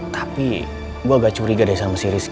tapi gue gak curiga deh sama si rizky